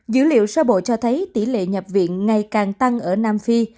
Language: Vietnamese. dữ liệu sơ bộ cho thấy tỷ lệ nhập viện ngày càng tăng ở nam phi